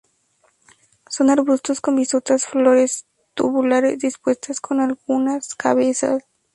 Son arbustos con vistosas flores tubulares dispuestas en algunas cabezas.